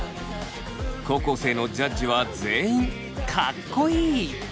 高校生のジャッジは全員「かっこいい」！